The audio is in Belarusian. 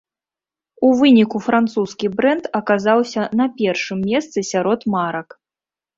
У выніку французскі брэнд аказаўся на першым месцы сярод марак.